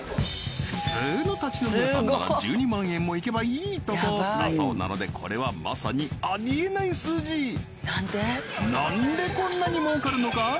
普通の立ち飲み屋さんなら１２万円もいけばいいとこだそうなのでこれはまさにありえない数字何でこんなに儲かるのか？